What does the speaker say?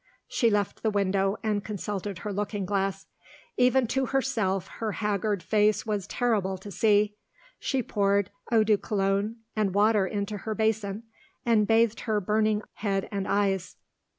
She left the window, and consulted her looking glass. Even to herself, her haggard face was terrible to see. She poured eau de cologne and water into her basin, and bathed her burning head and eyes.